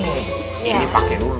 ini pake dulu